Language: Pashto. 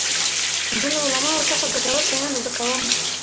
زه له علماوو څخه ګټور شیان زده کوم.